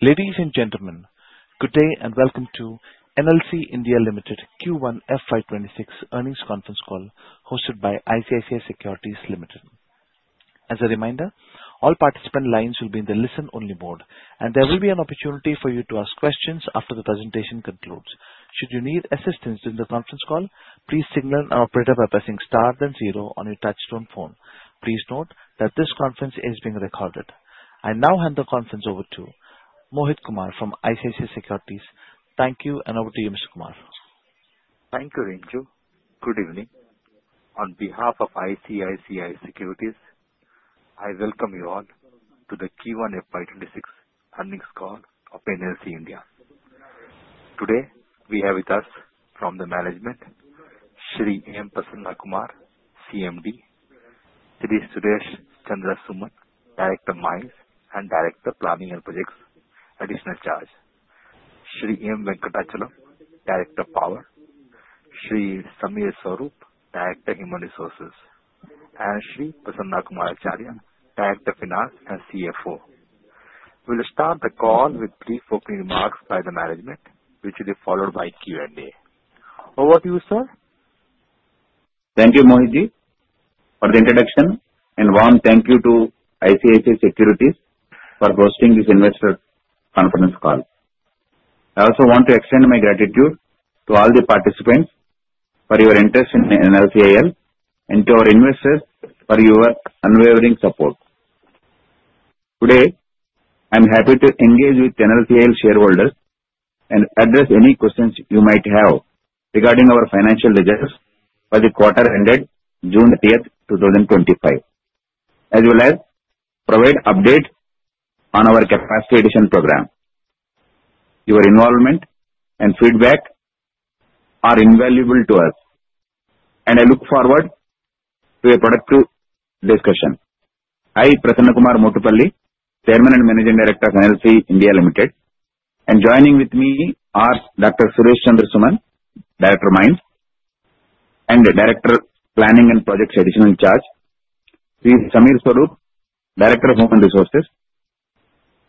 Ladies and gentlemen, good day and welcome to NLC India Limited Q1 FY26 earnings conference call hosted by ICICI Securities Limited. As a reminder, all participant lines will be in the listen-only mode, and there will be an opportunity for you to ask questions after the presentation concludes. Should you need assistance during the conference call, please signal an operator by pressing star then zero on your touchtone phone. Please note that this conference is being recorded. I now hand the conference over to Mohit Kumar from ICICI Securities. Thank you, and over to you, Mr. Kumar. Thank you, Rinju. Good evening. On behalf of ICICI Securities, I welcome you all to the Q1 FY26 earnings call of NLC India. Today, we have with us from the management, Shri M. Prasanna Kumar, CMD; Shri Suresh Chandra Suman, Director Mines, and Director Planning and Projects, Additional Charge; Shri M. Venkatachalam, Director Power; Shri Samir Swarup, Director Human Resources; and Shri Prasanna Kumar Acharya, Director Finance and CFO. We'll start the call with brief opening remarks by the management, which will be followed by Q&A. Over to you, sir. Thank you, Mohit, for the introduction, and warm thank you to ICICI Securities for hosting this investor conference call. I also want to extend my gratitude to all the participants for your interest in NLCIL and to our investors for your unwavering support. Today, I'm happy to engage with NLCIL shareholders and address any questions you might have regarding our financial results for the quarter ended June 30th, 2025, as well as provide updates on our capacity addition program. Your involvement and feedback are invaluable to us, and I look forward to a productive discussion. I Prasanna Kumar Motupalli, Chairman and Managing Director of NLC India Limited, and joining with me are Dr. Suresh Chandra Suman, Director Mines, and Director Planning and Projects, Additional Charge,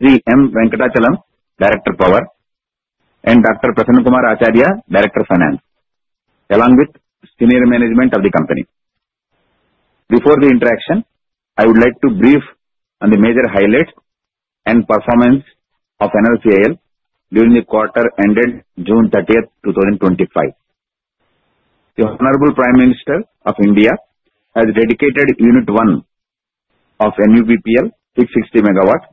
Shri Samir Swarup, Director Human Resources, Shri M. Venkatachalam, Director Power, and Dr. Prasanna Kumar Acharya, Director Finance, along with Senior Management of the company. Before the interaction, I would like to brief on the major highlights and performance of NLCIL during the quarter ended June 30th, 2025. The Honorable Prime Minister of India has dedicated Unit 1 of NUPPL, 660 megawatts,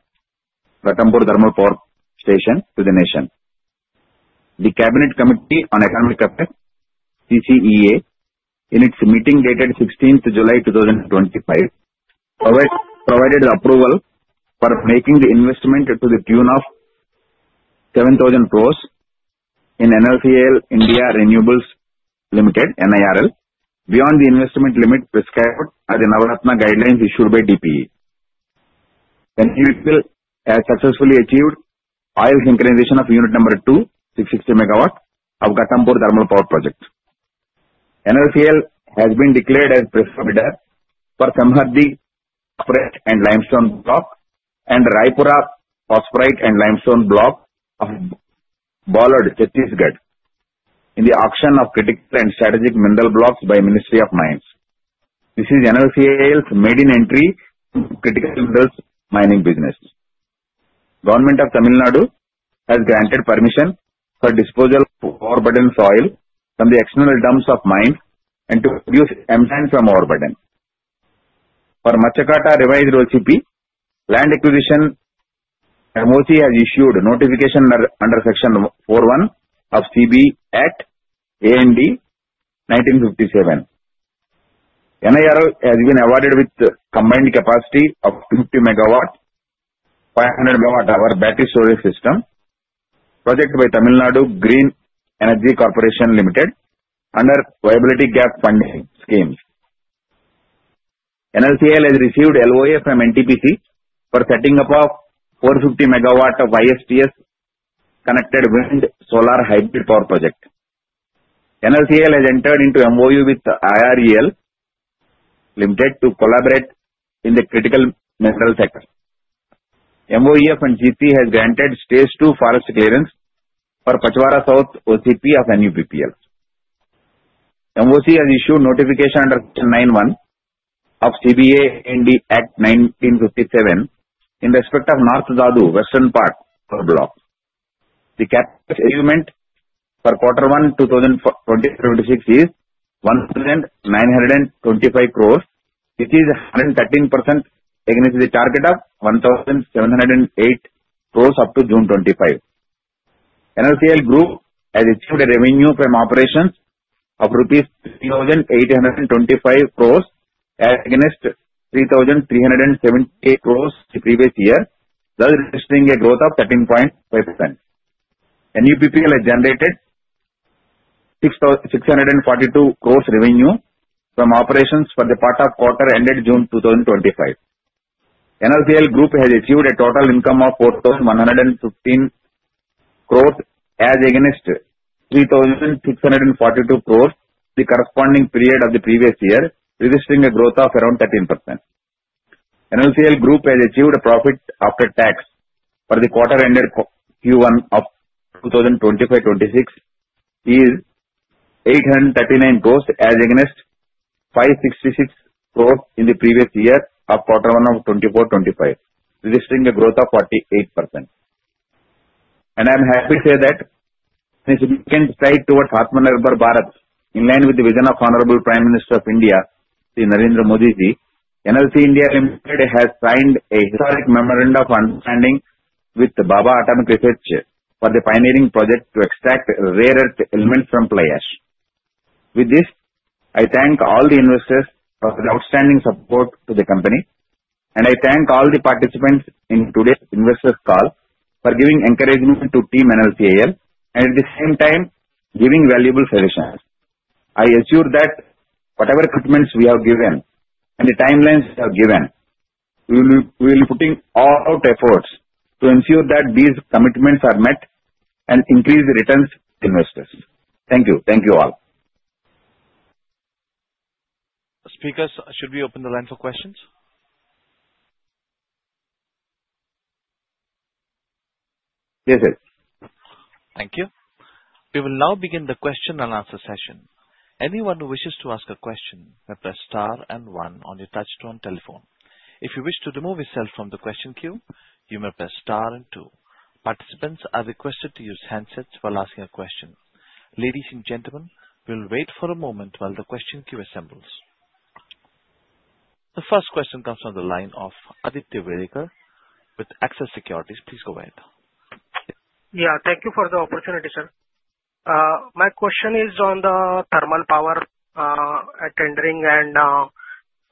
Ghatampur Thermal Power Station to the nation. The Cabinet Committee on Economic Affairs, CCEA, in its meeting dated 16th July 2025, provided approval for making the investment to the tune of 7,000 crores in NLC India Renewables Limited, NIRL, beyond the investment limit prescribed as the Navratna Guidelines issued by DPE. NLCIL has successfully achieved oil synchronization of Unit 2, 660 MW, of Ghatampur Thermal Power Project. NLCIL has been declared as the best bidder for Samharthi Copperite and Limestone Block and Raipura Phosphorite and Limestone Block of Balod, Chhattisgarh, in the auction of critical and strategic mineral blocks by the Ministry of Mines. This is NLCIL's maiden entry critical mineral mining business. Government of Tamil Nadu has granted permission for disposal of overburdened soil from the external dumps of mines and to produce embankments from overburdened soil. For Machhakata Revised OCP, land acquisition, MoC has issued notification under Section 4(1) of CBA Act, 1957. NIRL has been awarded with a combined capacity of 250 MW, 500 MW-hour battery storage system, projected by Tamil Nadu Green Energy Corporation Limited under Viability Gap Funding scheme. NLCIL has received LOA from NTPC for setting up a 450 megawatt ISTS connected wind solar hybrid power project. NLCIL has entered into MOU with IREL Limited to collaborate in the critical mineral sector. MoEF&CC has granted Stage 2 Forest Clearance for Pachwara South OCP of NUPPL. MoC has issued notification under Section 9(1) of CBA Act 1957 in respect of North Dhadu Western Part Power Block. The CAPEX agreement for Q1 2026 is 1,925 crores. This is 113% against the target of 1,708 crores up to June 25. NLCIL Group has achieved a revenue from operations of 5,825 crores rupees against 3,378 crores the previous year, thus registering a growth of 13.5%. NUPPL has generated 642 crores revenue from operations for the part of quarter ended June 2025. NLCIL Group has achieved a total income of 4,115 crores as against 3,642 crores the corresponding period of the previous year, registering a growth of around 13%. NLCIL Group has achieved a profit after tax for the quarter ended Q1 of 2025-26 is 839 crores as against 566 crores in the previous year of Q1 of 2024 to 2025, registering a growth of 48%. I am happy to say that in a significant step towards Atmanirbhar Bharat, in line with the vision of Honorable Prime Minister of India, NIRL NLC India Limited has signed a historic memorandum of understanding with Bhabha Atomic Research Centre for the pioneering project to extract rare earth elements from fly ash. With this, I thank all the investors for the outstanding support to the company, and I thank all the participants in today's investor call for giving encouragement to Team NLCIL and at the same time giving valuable suggestions. I assure that whatever commitments we have given and the timelines we have given, we will be putting all our efforts to ensure that these commitments are met and increase the returns to investors. Thank you. Thank you all. Speakers, should we open the line for questions? Yes, sir. Thank you. We will now begin the question and answer session. Anyone who wishes to ask a question may press star and one on your touch-tone telephone. If you wish to remove yourself from the question queue, you may press star and two. Participants are requested to use handsets while asking a question. Ladies and gentlemen, we'll wait for a moment while the question queue assembles. The first question comes from the line of Aditya Welekar with Axis Securities. Please go ahead. Yeah, thank you for the opportunity, sir. My question is on the thermal power tendering and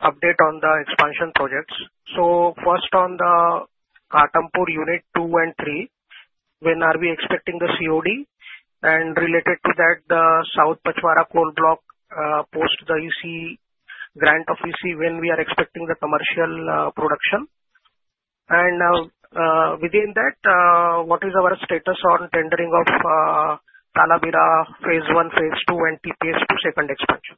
update on the expansion projects. So first, on the Ghatampur Unit 2 and 3, when are we expecting the COD? And related to that, the Pachwara South Coal Block post the EC grant of EC when we are expecting the commercial production? And within that, what is our status on tendering of Talabira Phase 1, Phase 2, and TPS-II Expansion?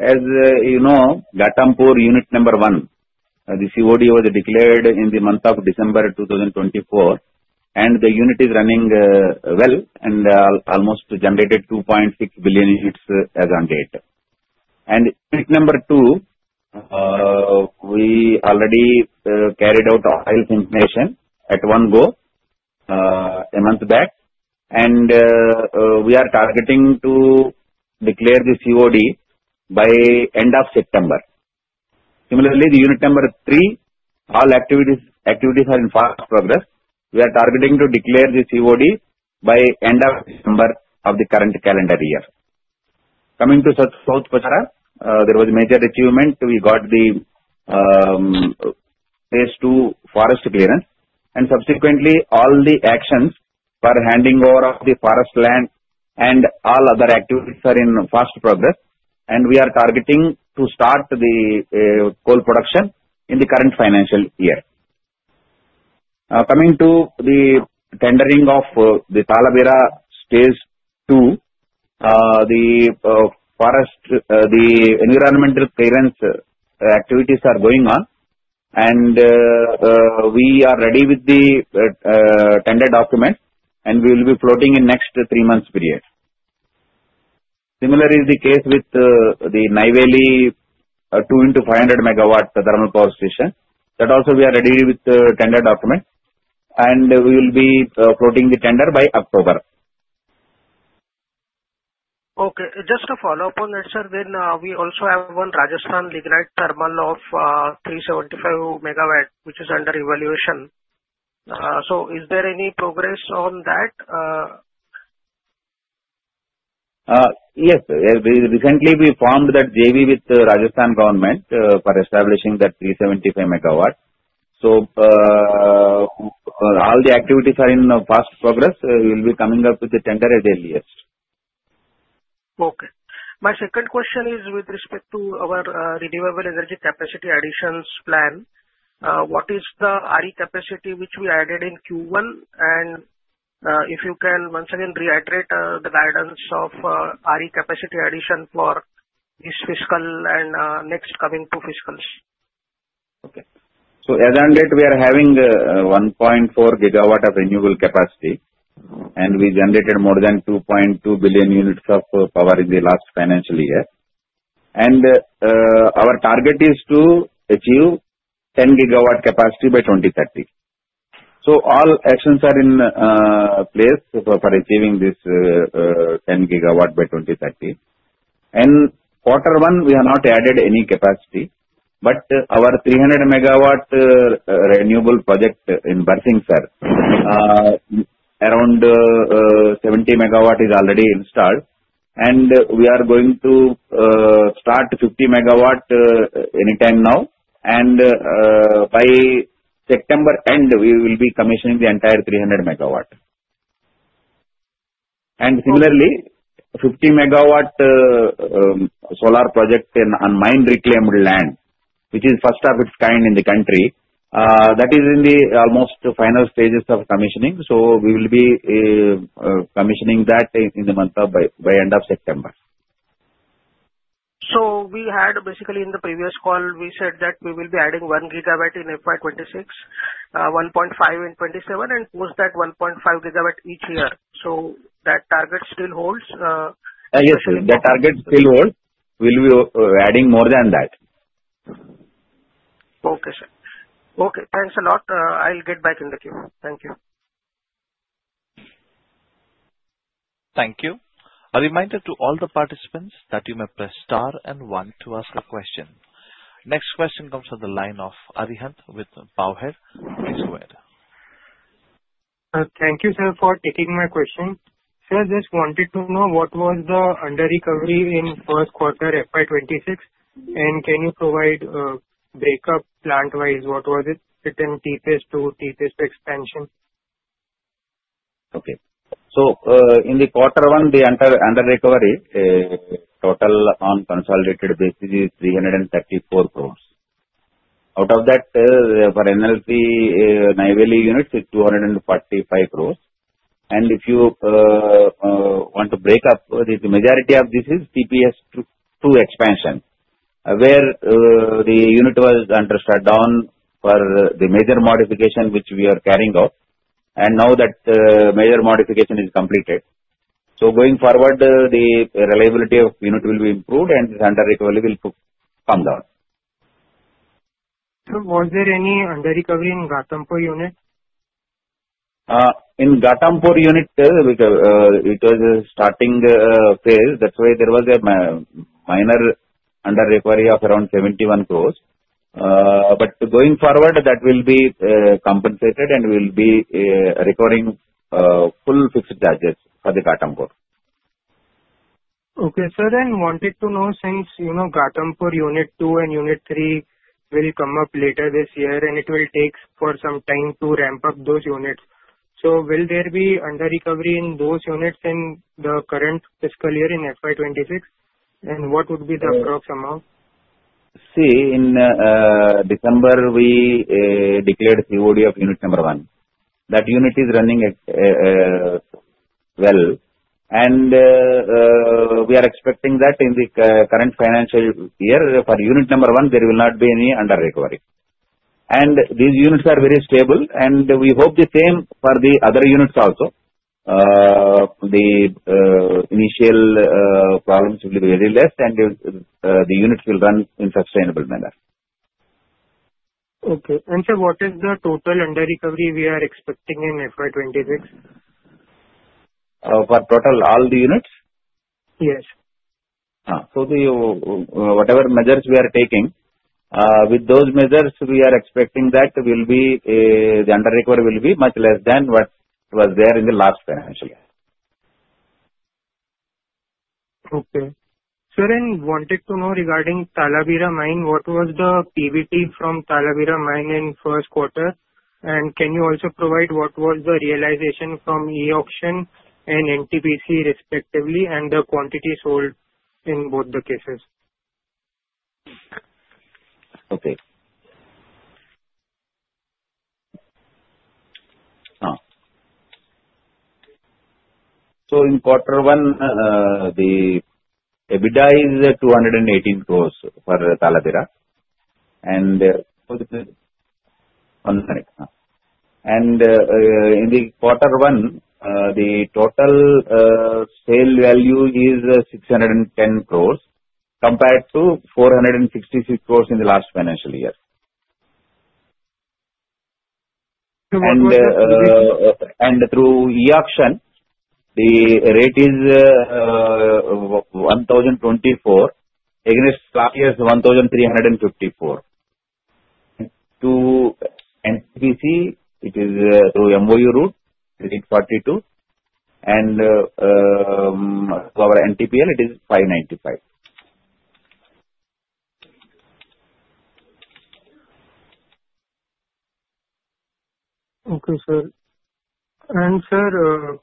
As you know, Ghatampur Unit 1, the COD was declared in the month of December 2024, and the unit is running well and almost generated 2.6 billion units as on date. Unit 2, we already carried out oil synchronization at one go a month back, and we are targeting to declare the COD by end of September. Similarly, Unit 3, all activities are in fast progress. We are targeting to declare the COD by end of December of the current calendar year. Coming to Pachwara South, there was a major achievement. We got the Phase 2 forest clearance, and subsequently, all the actions for handing over of the forest land and all other activities are in fast progress, and we are targeting to start the coal production in the current financial year. Coming to the tendering of the Talabira Phase 2, the environmental clearance activities are going on, and we are ready with the tender document, and we will be floating in the next three months' period. Similarly, the case with the Neyveli 2 into 500 megawatt thermal power station, that also we are ready with the tender document, and we will be floating the tender by October. Okay. Just to follow up on that, sir, then we also have one Rajasthan Lignite Thermal of 375 MW, which is under evaluation. So is there any progress on that? Yes, sir. Recently, we formed that JV with the Rajasthan government for establishing that 375 MW. So all the activities are in fast progress. We will be coming up with the tender as early as. Okay. My second question is with respect to our renewable energy capacity additions plan. What is the RE capacity which we added in Q1? And if you can once again reiterate the guidance of RE capacity addition for this fiscal and next coming two fiscals? Okay. So as on date, we are having 1.4 gigawatt of renewable capacity, and we generated more than 2.2 billion units of power in the last financial year. Our target is to achieve 10 GW capacity by 2030. All actions are in place for achieving this 10 GW by 2030. In Q1, we have not added any capacity, but our 300 MW renewable project in Barsingar, around 70 MW is already installed, and we are going to start 50 MW anytime now. By September end, we will be commissioning the entire 300 MW. Similarly, 50 MW solar project on mine reclaimed land, which is first of its kind in the country, that is in the almost final stages of commissioning. We will be commissioning that in the month of by end of September. So we had basically in the previous call, we said that we will be adding 1 GW in FY 2026, 1.5 in 2027, and post that 1.5 GW each year. So that target still holds? Yes, sir. That target still holds. We will be adding more than that. Okay, sir. Okay. Thanks a lot. I'll get back in the queue. Thank you. Thank you. A reminder to all the participants that you may press star and one to ask a question. Next question comes from the line of Arihant with Bowhead. Please go ahead. Thank you, sir, for taking my question. Sir, just wanted to know what was the under-recovery in first quarter FY 2026, and can you provide a break-up plant-wise? What was it for TPS-II Expansion? Okay. In the Q1, the under-recovery total on consolidated basis is 334 crores. Out of that, for NLC NTPL units, it's 245 crores. And if you want to break up, the majority of this is TPS-II Expansion, where the unit was under shutdown for the major modification which we are carrying out. And now that the major modification is completed, so going forward, the reliability of unit will be improved, and the under-recovery will come down. Sir, was there any under-recovery in Ghatampur unit? In Ghatampur unit, it was a starting phase. That's why there was a minor under-recovery of around 71 crores. But going forward, that will be compensated, and we will be recovering full fixed charges for the Ghatampur. Okay. Sir, then wanted to know since Ghatampur Unit 2 and Unit 3 will come up later this year, and it will take for some time to ramp up those units. So will there be under-recovery in those units in the current fiscal year in FY 2026? And what would be the approximate amount? See, in December, we declared COD of Unit 1. That unit is running well. And we are expecting that in the current financial year for Unit 1, there will not be any under-recovery. And these units are very stable, and we hope the same for the other units also. The initial problems will be very less, and the units will run in a sustainable manner. Okay. And sir, what is the total under recovery we are expecting in FY 2026? For total all the units? Yes. So whatever measures we are taking, with those measures, we are expecting that the under-recovery will be much less than what was there in the last financial year. Okay. Sir, then wanted to know regarding Talabira mine, what was the PBT from Talabira mine in first quarter? And can you also provide what was the realization from eAuction and NTPC respectively, and the quantity sold in both the cases? Okay. So in Q1, the EBITDA is 218 crores for Talabira. And one second. And in the Q1, the total sale value is 610 crores compared to 466 crores in the last financial year. And through eAuction, the rate is 1,024 against last year's 1,354. To NTPC, it is through MOU route, it is 42. And to our NTPL, it is 595. Okay, sir. And sir,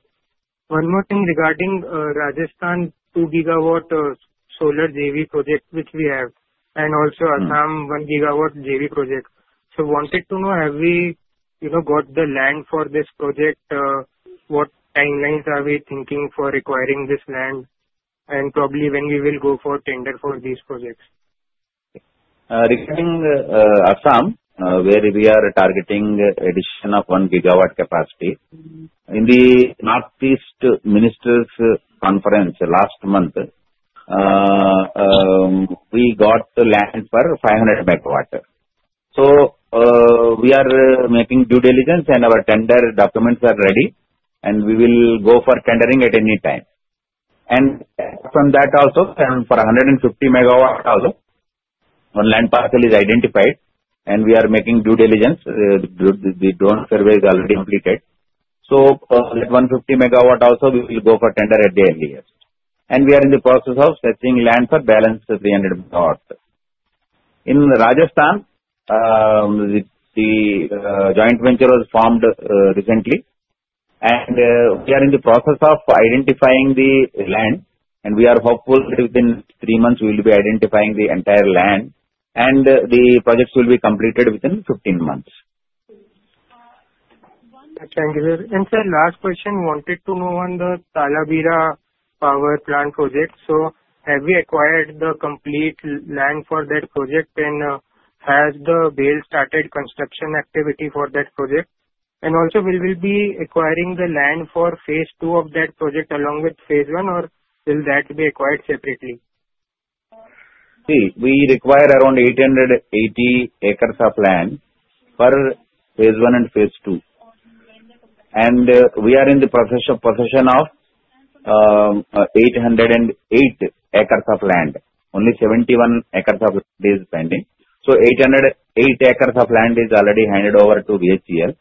one more thing regarding Rajasthan 2 GW solar JV project which we have, and also Assam one gigawatt JV project. So wanted to know, have we got the land for this project? What timelines are we thinking for acquiring this land? And probably when we will go for tender for these projects? Regarding Assam, where we are targeting addition of one gigawatt capacity, in the Northeast Ministers' Conference last month, we got land for 500 MW. So we are making due diligence, and our tender documents are ready, and we will go for tendering at any time. And from that also, for 150 MW also, one land parcel is identified, and we are making due diligence. The drone survey is already completed. So that 150 MW also, we will go for tender at the earliest. And we are in the process of searching land for balance 300 MW. In Rajasthan, the joint venture was formed recently, and we are in the process of identifying the land. And we are hopeful that within three months, we will be identifying the entire land, and the projects will be completed within 15 months. Thank you, sir. And sir, last question, wanted to know on the Talabira power plant project. So have we acquired the complete land for that project, and has the BHEL started construction activity for that project? And also, will we be acquiring the land for Phase 2 of that project along with Phase 1, or will that be acquired separately? See, we require around 880 acres of land for Phase 1 and Phase 2, and we are in the possession of 808 acres of land. Only 71 acres of land is pending. 808 acres of land is already handed over to BHEL,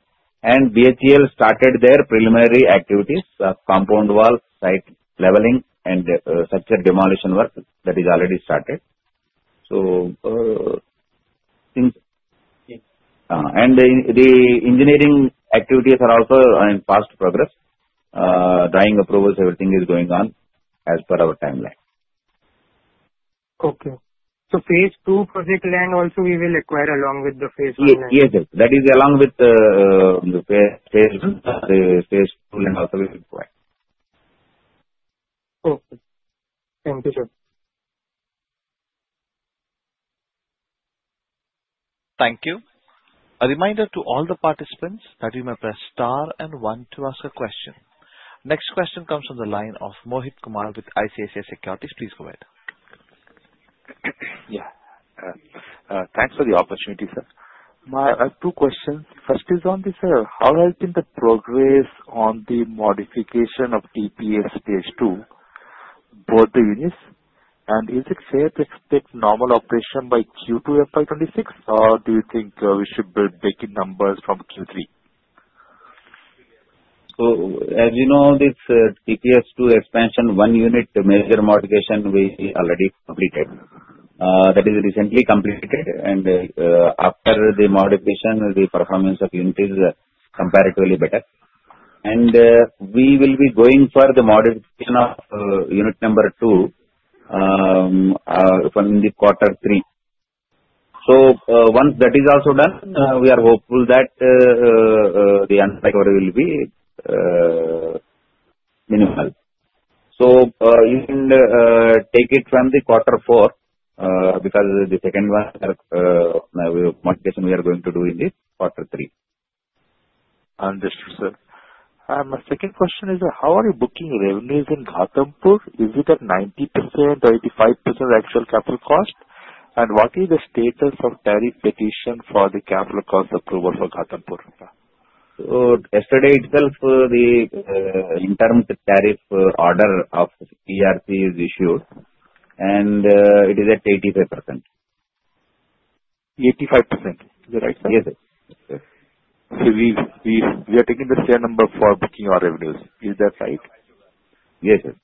and BHEL started their preliminary activities of compound wall, site leveling, and structure demolition work that is already started. The engineering activities are also in fast progress. Drawing approvals, everything is going on as per our timeline. Phase 2 project land also we will acquire along with the Phase 1 land? Yes, yes. That is along with the Phase 2 land also we will acquire. Okay. Thank you, sir. Thank you. A reminder to all the participants that you may press star and one to ask a question. Next question comes from the line of Mohit Kumar with ICICI Securities. Please go ahead. Yeah. Thanks for the opportunity, sir. My two questions. First is on this, sir, how has been the progress on the modification of TPS-II, both the units? And is it fair to expect normal operation by Q2 FY26, or do you think we should build back in numbers from Q3? As you know, this TPS-II expansion, one unit major modification we already completed. That is recently completed. And after the modification, the performance of unit is comparatively better. And we will be going for the modification of unit number two from the Q3. Once that is also done, we are hopeful that the under-recovery will be minimal. We will take it from the Q4 because the second modification we are going to do in the Q3. Understood, sir. My second question is, how are you booking revenues in Ghatampur? Is it at 90% or 85% of the actual capital cost? And what is the status of tariff petition for the capital cost approval for Ghatampur? So yesterday itself, the interim tariff order of ERC is issued, and it is at 85%. 85%? Is that right, sir? Yes, sir. We are taking the share number for booking our revenues. Is that right? Yes, sir.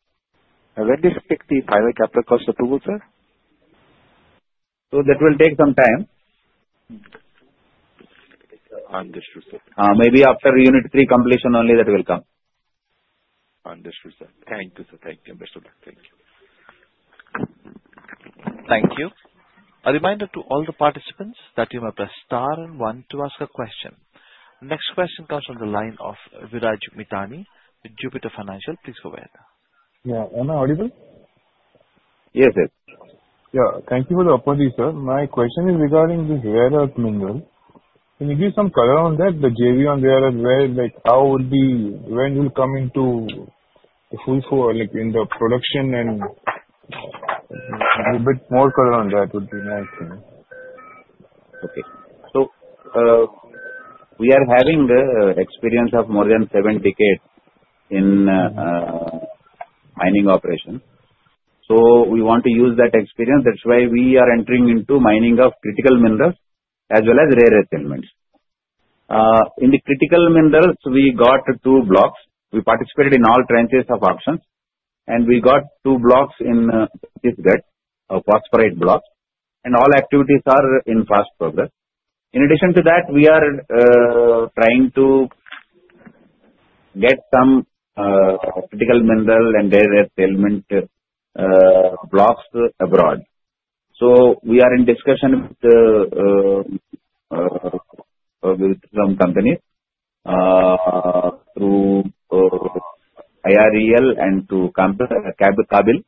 When do you expect the final capital cost approval, sir? So that will take some time. Understood, sir. Maybe after unit three completion only that will come. Understood, sir. Thank you, sir. Thank you. Understood. Thank you. Thank you. A reminder to all the participants that you may press star and one to ask a question. Next question comes from the line of Viraj Mithani, Jupiter Financial. Please go ahead. Yeah. Am I audible? Yes, sir. Yeah. Thank you for the update, sir. My question is regarding the rare earth mineral. Can you give some color on that? The JV on rare earth, how would be when will come into the full in the production and a bit more color on that would be nice. Okay, so we are having the experience of more than seven decades in mining operation. We want to use that experience. That's why we are entering into mining of critical minerals as well as rare earth elements. In the critical minerals, we got two blocks. We participated in all tranches of auctions, and we got two blocks in Chhattisgarh, phosphorite blocks. All activities are in fast progress. In addition to that, we are trying to get some critical mineral and rare earth element blocks abroad. We are in discussion with some companies through IREL and through KABIL.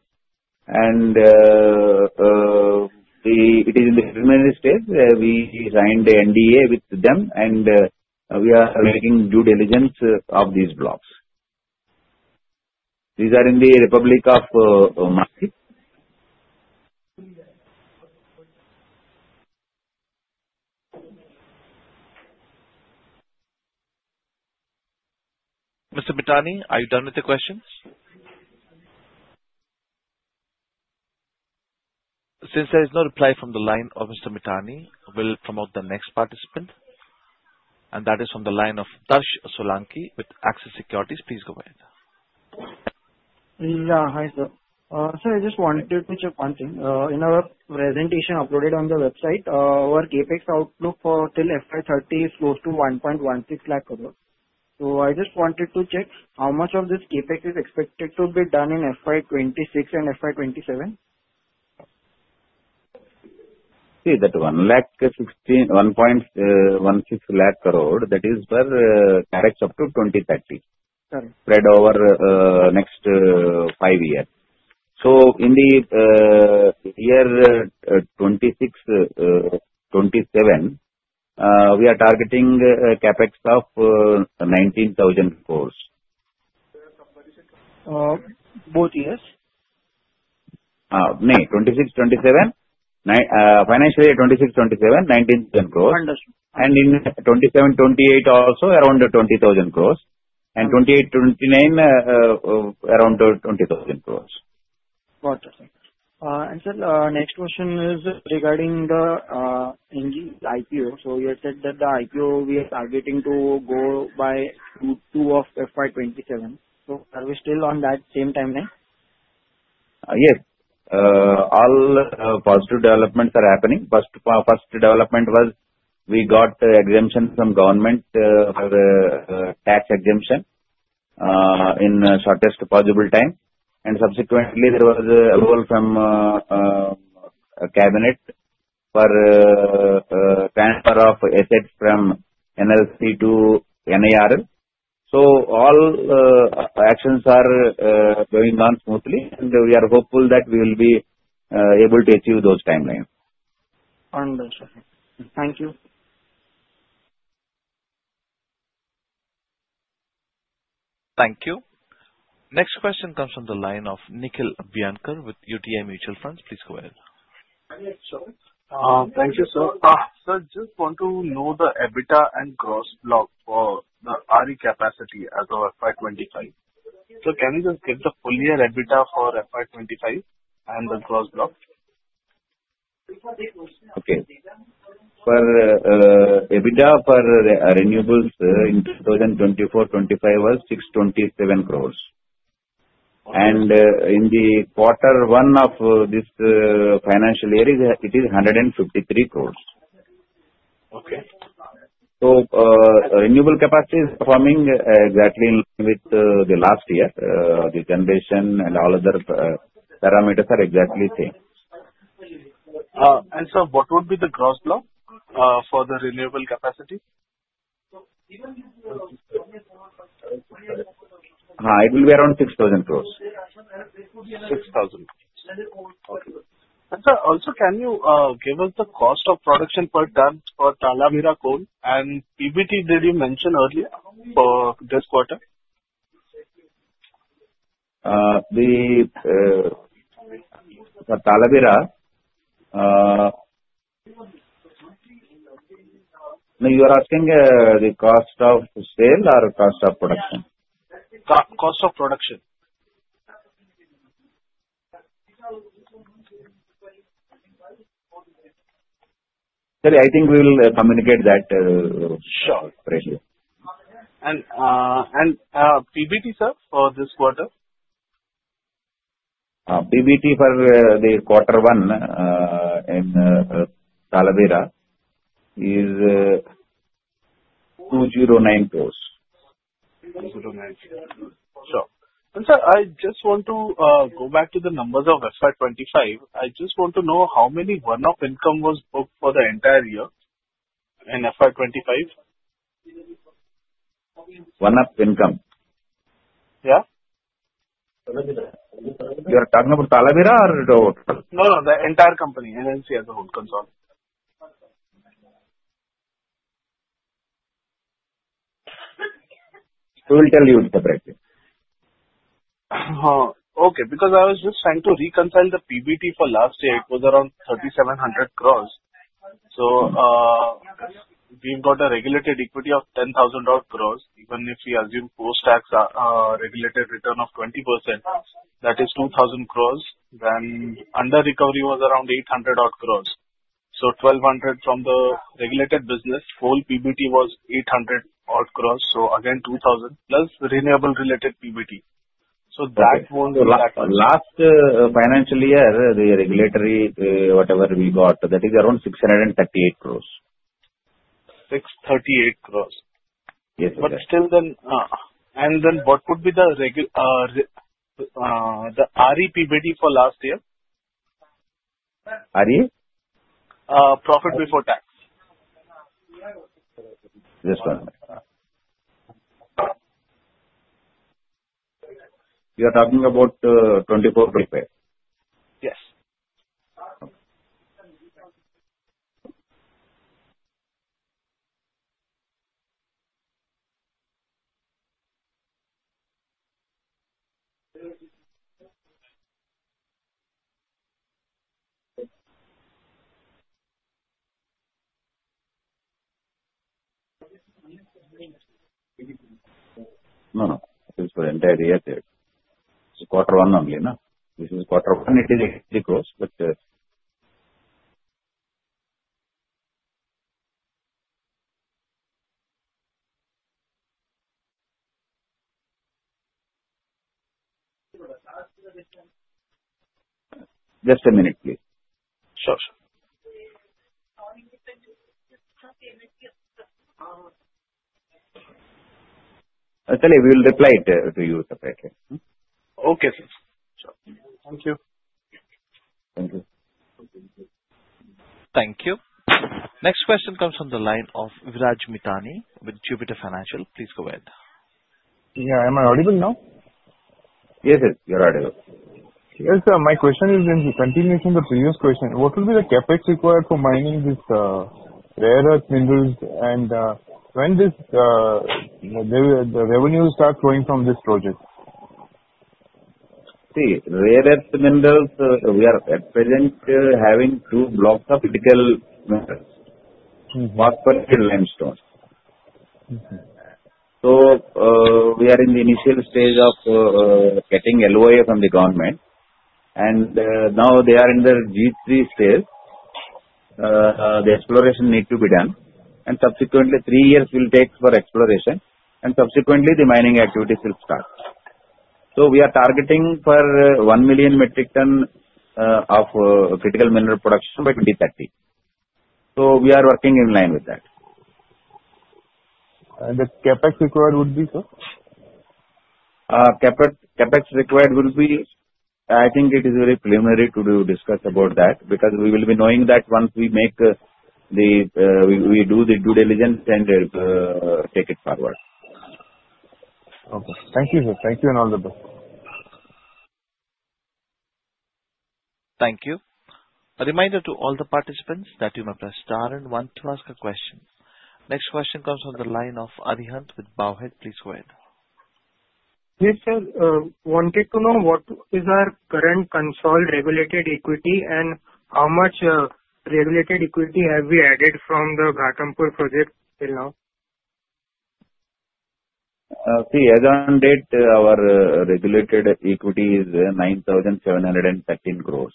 It is in the preliminary stage where we signed the NDA with them, and we are making due diligence of these blocks. These are in the Republic of Mali. Mr. Mithani, are you done with the questions? Since there is no reply from the line of Mr. Mithani, we'll promote the next participant. And that is from the line of Darsh Solanki with Axis Securities. Please go ahead. Yeah. Hi, sir. Sir, I just wanted to check one thing. In our presentation uploaded on the website, our CapEx outlook for till FY 2030 is close to 1.16 lakh crores. So I just wanted to check how much of this CapEx is expected to be done in FY 2026 and FY 2027? See, that 1.16 lakh crore, that is for CapEx up to 2030, spread over next five years. So in the year 2026, 2027, we are targeting CapEx of 19,000 crores. Both years? May 2026 to 2027 financial year 2026 to 2027 INR 19,000 crores, and in 2027 to 2028 also around 20,000 crores, and 2028 to 2029 around 20,000 crores. Got it. And sir, next question is regarding the IPO. So you said that the IPO we are targeting to go by Q2 of FY 2027. So are we still on that same timeline? Yes. All positive developments are happening. First development was we got exemption from government tax exemption in shortest possible time. And subsequently, there was a rule from cabinet for transfer of assets from NLC to NIRL. So all actions are going on smoothly, and we are hopeful that we will be able to achieve those timelines. Understood. Thank you. Thank you. Next question comes from the line of Nikhil Abhyankar with UTI Mutual Fund. Please go ahead. Thank you, sir. Sir, just want to know the EBITDA and gross block for the RE capacity as of FY25. So can you just get the full year EBITDA for FY25 and the gross block? Okay. For EBITDA for renewables in 2024 to 2025 was 627 crores. And in the Q1 of this financial year, it is 153 crores. Okay. So renewable capacity is performing exactly in line with the last year. The generation and all other parameters are exactly the same. Sir, what would be the Gross Block for the renewable capacity? It will be around 6,000 crores. 6,000 crores. Sir, also, can you give us the cost of production per ton for Talabira coal and PBT that you mentioned earlier for this quarter? The Talabira, you are asking the cost of sale or cost of production? Cost of production. Sorry, I think we will communicate that. Sure. PBT, sir, for this quarter? PBT for the Q1 in Talabira is INR 209 crores. 209 crores. Sure, and sir, I just want to go back to the numbers of FY25. I just want to know how many one-off income was booked for the entire year in FY25? One-off income? Yeah. You are talking about Talabira or? No, no. The entire company. NLC as a whole, consol. We will tell you the price. Okay. Because I was just trying to reconcile the PBT for last year. It was around 3,700 crores. So we've got a regulated equity of INR 10,000 crores. Even if we assume post-tax regulated return of 20%, that is 2,000 crores, then under-recovery was around INR 800 crores. So 1,200 from the regulated business. Whole PBT was 800 crores. So again, 2,000+ renewable-related PBT. So that won't be that much. Last financial year, the regulatory whatever we got, that is around 638 crores. 638 crores. Yes, sir. But still then, and then what would be the RE PBT for last year? RE? Profit before tax. Just one moment. You are talking about 2425? Yes. No, no. This is for entire year sales. So Q1 only, no? This is Q1. It is INR 80 crores, but just a minute, please. Sure, sir. Actually, we will reply to you separately. Okay, sir. Sure. Thank you. Thank you. Thank you. Next question comes from the line of Viraj Mithani with Jupiter Financial. Please go ahead. Yeah. Am I audible now? Yes, sir. You're audible. Yes, sir. My question is in continuation of the previous question. What will be the CapEx required for mining these rare earth minerals? And when does the revenue start going from this project? See, rare earth minerals. We are at present having two blocks of critical minerals, phosphorite and limestone. So we are in the initial stage of getting LOA from the government. And now they are in the G3 stage. The exploration needs to be done. And subsequently, three years will take for exploration. And subsequently, the mining activities will start. So we are targeting for 1 million metric tons of critical mineral production by 2030. So we are working in line with that. The CapEx required would be, sir? CapEx required will be, I think it is very preliminary to discuss about that because we will be knowing that once we do the due diligence and take it forward. Okay. Thank you, sir. Thank you and all the best. Thank you. A reminder to all the participants that you may press star and one to ask a question. Next question comes from the line of Arihant with Bowhead. Please go ahead. Yes, sir. Wanted to know what is our current consolidated regulated equity and how much regulated equity have we added from the Ghatampur project till now? See, as of date, our regulated equity is 9,713 crores.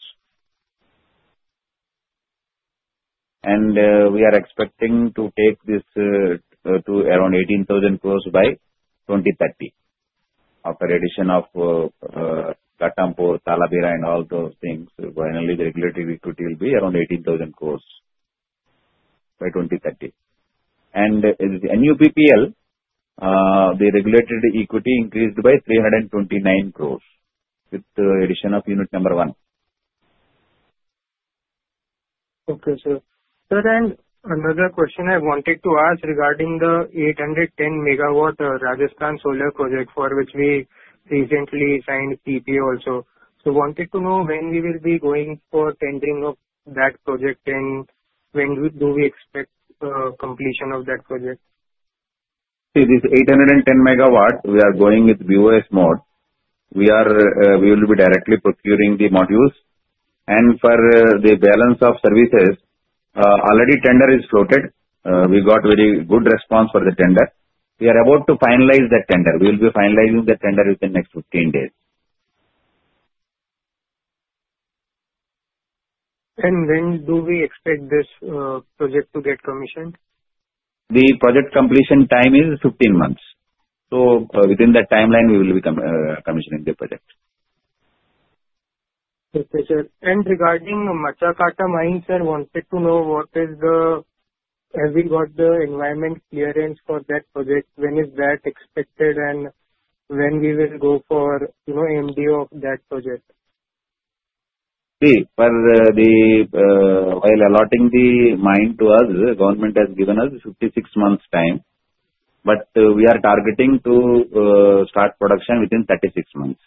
And we are expecting to take this to around 18,000 crores by 2030 after addition of Ghatampur, Talabira, and all those things. Finally, the regulated equity will be around 18,000 crores by 2030. And in the NUPPL, the regulated equity increased by 329 crores with the addition of unit number one. Okay, sir. Sir, then another question I wanted to ask regarding the 810 MW Rajasthan solar project for which we recently signed PP also. So wanted to know when we will be going for tendering of that project and when do we expect completion of that project? See, this 810 MW, we are going with BOS mode. We will be directly procuring the modules. And for the balance of system, already tender is floated. We got very good response for the tender. We are about to finalize that tender. We will be finalizing the tender within the next 15 days. When do we expect this project to get commissioned? The project completion time is 15 months. So within that timeline, we will be commissioning the project. Okay, sir. And regarding Machhakata Mines, sir, wanted to know, have we got the environmental clearance for that project? When is that expected and when we will go for MDO of that project? See, while allotting the mine to us, the government has given us 56 months' time. But we are targeting to start production within 36 months.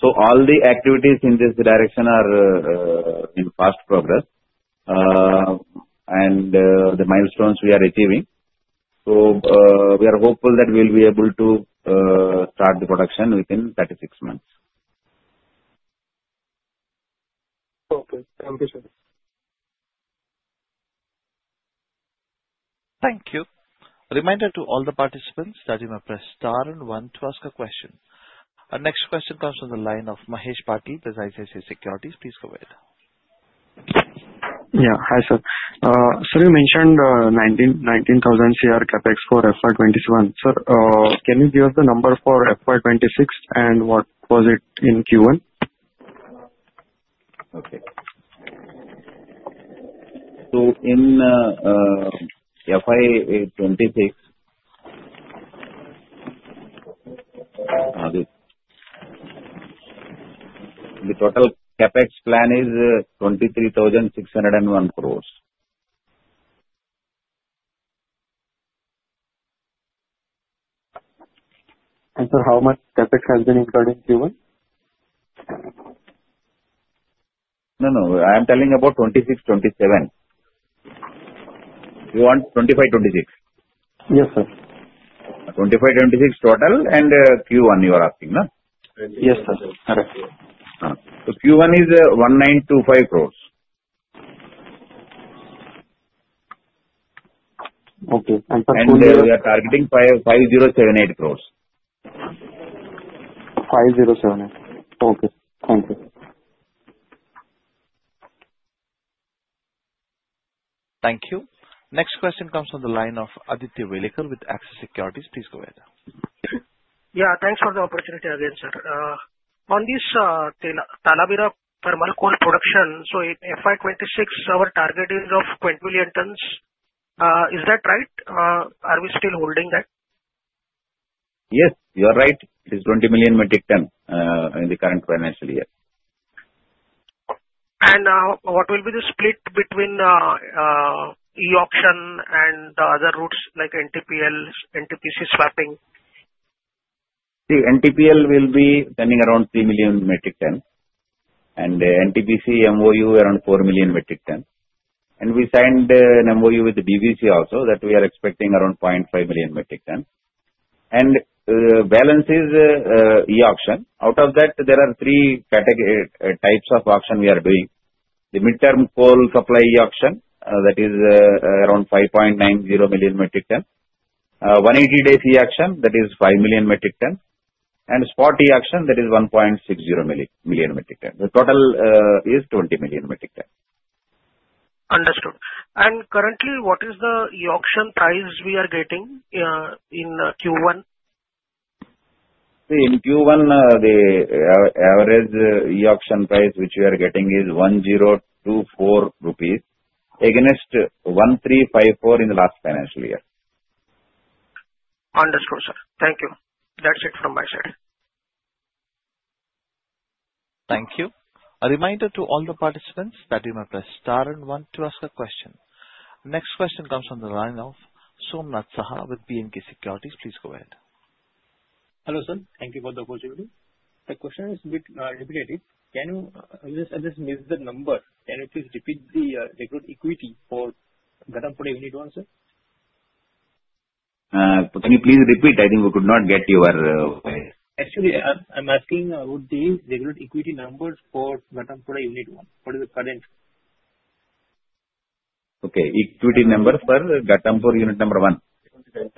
So all the activities in this direction are in fast progress. And the milestones we are achieving. So we are hopeful that we will be able to start the production within 36 months. Okay. Thank you, sir. Thank you. A reminder to all the participants that you may press star and one to ask a question. Our next question comes from the line of Mahesh Patil with ICICI Securities. Please go ahead. Yeah. Hi, sir. Sir, you mentioned 19,000 CR CapEx for FY27. Sir, can you give us the number for FY26 and what was it in Q1? In FY26, the total CapEx plan is 23,601 crores. Sir, how much CapEx has been included in Q1? No, no. I am telling about 2026, 2027. You want 2025, 2026? Yes, sir. 25, 26 total and Q1 you are asking, no? Yes, sir. Correct. Q1 is 1,925 crores. Okay. And for Q1? We are targeting 5,078 crores. 5,078. Okay. Thank you. Thank you. Next question comes from the line of Aditya Welekar with Axis Securities. Please go ahead. Yeah. Thanks for the opportunity again, sir. On this Talabira thermal coal production, so in FY26, our target is of 20 million tons. Is that right? Are we still holding that? Yes. You are right. It is 20 million metric tons in the current financial year. What will be the split between e-auction and other routes like NTPL, NTPC swapping? See, NTPL will be standing around 3 million metric tons. And NTPC MOU around 4 million metric tons. And we signed an MOU with DVC also that we are expecting around 0.5 million metric tons. And the balance is e-auction. Out of that, there are three types of auction we are doing. The midterm coal supply e-auction, that is around 5.90 million metric tons. 180-day e-auction, that is 5 million metric tons. And spot e-auction, that is 1.60 million metric tons. The total is 20 million metric tons. Understood. And currently, what is the e-auction price we are getting in Q1? See, in Q1, the average e-auction price which we are getting is 1,024 rupees against 1,354 in the last financial year. Understood, sir. Thank you. That's it from my side. Thank you. A reminder to all the participants that you may press star and one to ask a question. Next question comes from the line of Somnath Saha with B&K Securities. Please go ahead. Hello, sir. Thank you for the opportunity. The question is a bit repeated. Can you just miss the number? Can you please repeat the regulated equity for Ghatampur Unit 1, sir? Can you please repeat? I think we could not get you our way. Actually, I'm asking about the regulated equity numbers for Ghatampur Unit 1. What is the current? Okay. Equity number for Ghatampur Unit Number 1?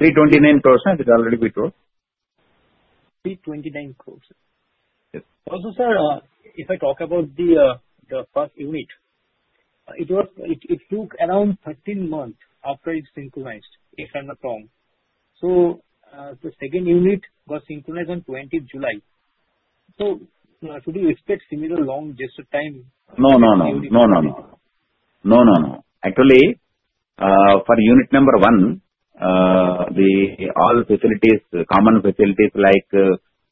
329 crores, right? It's already withdrawn? 329 crores, sir. Also, sir, if I talk about the first unit, it took around 13 months after it synchronized, if I'm not wrong. So the second unit was synchronized on 20th July. So should we expect similar long gestation time? No, no, no. No, no, no. No, no, no. Actually, for Unit Number One, all facilities, common facilities like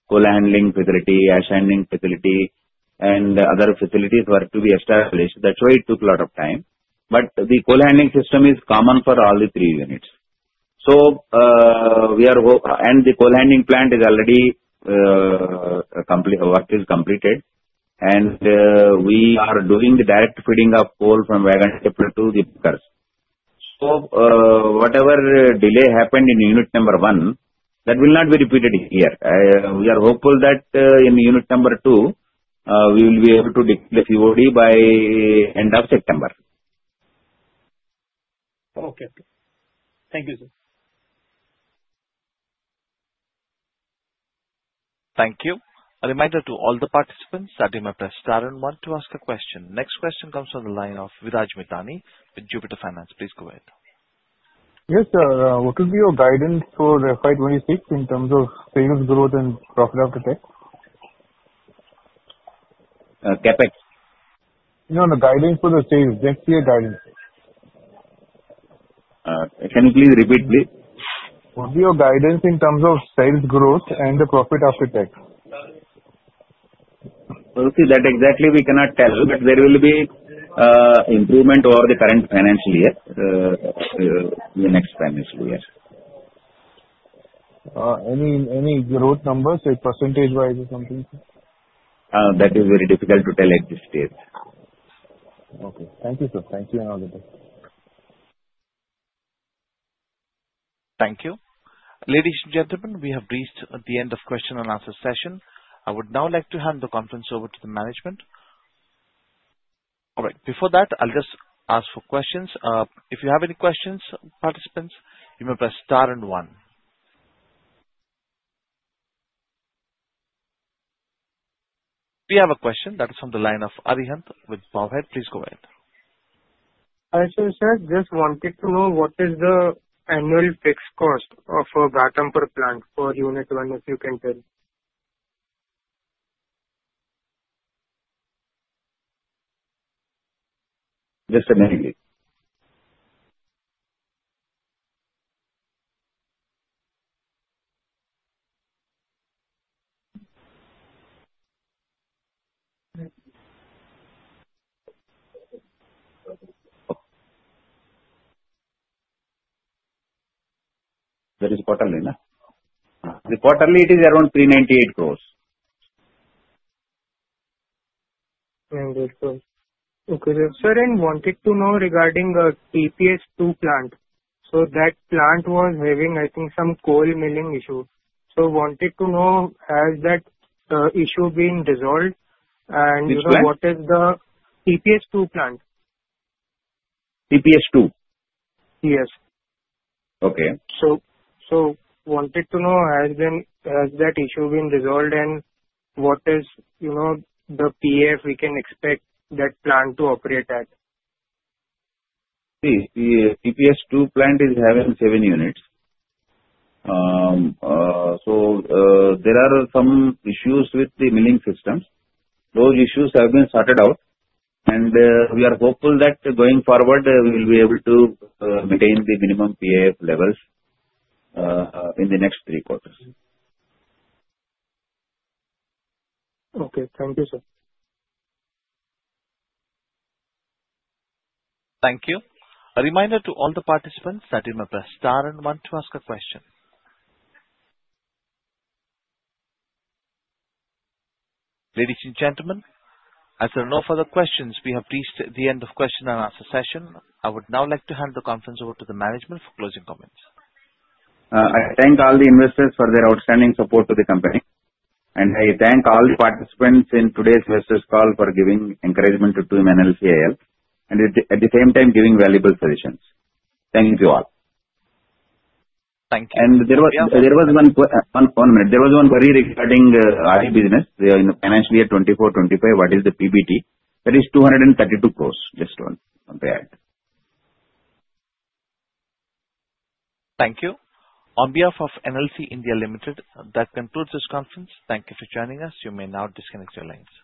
coal handling facility, ash handling facility, and other facilities were to be established. That's why it took a lot of time. But the coal handling system is common for all the three units. And the coal handling plant is already completed. Work is completed. And we are doing the direct feeding of coal from wagon tippler to the bunkers. So whatever delay happened in Unit Number One, that will not be repeated here. We are hopeful that in Unit Number Two, we will be able to achieve COD by end of September. Okay. Thank you, sir. Thank you. A reminder to all the participants that you may press star and one to ask a question. Next question comes from the line of Viraj Mithani with Jupiter Financial. Please go ahead. Yes, sir. What would be your guidance for FY26 in terms of sales growth and profit after tax? CapEx? No, no. Guidance for the sales. Next year, guidance. Can you please repeat, please? What would be your guidance in terms of sales growth and the profit after tax? See, that exactly we cannot tell. But there will be improvement over the current financial year, the next financial year. Any growth numbers, like percentage-wise or something? That is very difficult to tell at this stage. Okay. Thank you, sir. Thank you and all the best. Thank you. Ladies and gentlemen, we have reached the end of the question and answer session. I would now like to hand the conference over to the management. All right. Before that, I'll just ask for questions. If you have any questions, participants, you may press star and one. We have a question that is from the line of Arihant with Bowhead. Please go ahead. Actually, sir, just wanted to know what is the annual fixed cost of a Ghatampur plant for Unit One, if you can tell? Just a minute. That is quarterly, no? The quarterly, it is around 398 crores. 398 crores. Okay. Sir, I wanted to know regarding the TPS-2 plant. So that plant was having, I think, some coal milling issues. So I wanted to know, has that issue been resolved? And what is the TPS-2 plant? TPS-2? Yes. Okay. I wanted to know, has that issue been resolved? What is the PF we can expect that plant to operate at? See, the TPS-II plant is having seven units. So there are some issues with the milling systems. Those issues have been sorted out, and we are hopeful that going forward, we will be able to maintain the minimum PF levels in the next three quarters. Okay. Thank you, sir. Thank you. A reminder to all the participants that you may press star and one to ask a question. Ladies and gentlemen, as there are no further questions, we have reached the end of the question and answer session. I would now like to hand the conference over to the management for closing comments. I thank all the investors for their outstanding support to the company. And I thank all the participants in today's investors' call for giving encouragement to NLCIL. And at the same time, giving valuable solutions. Thank you all. Thank you. There was one minute. There was one query regarding our business. We are in the financial year 2024-25. What is the PBT? That is 232 crores. Just to compare it. Thank you. On behalf of NLC India Limited, that concludes this conference. Thank you for joining us. You may now disconnect your lines.